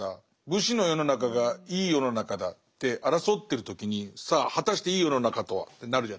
武士の世の中がいい世の中だって争ってる時にさあ果たしていい世の中とはってなるじゃないですか。